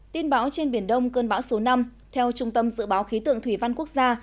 tin báo trên biển đông cơn bão số năm theo trung tâm dự báo khí tượng thủy văn quốc gia